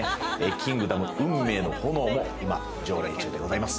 『キングダム運命の炎』も今、上映中でございます。